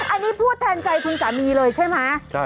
อันนี้พูดแทนใจคุณสามีเลยใช่ไหม